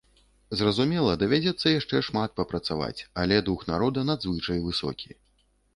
Зразумела, давядзецца яшчэ шмат працаваць, але дух народа надзвычай высокі.